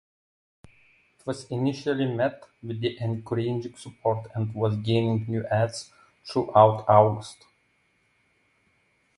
It was initially met with encouraging support and was gaining new adds throughout August.